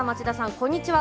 こんにちは。